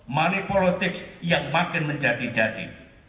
manipolitik yang makin menjadi jadi